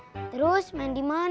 terus main di mana dong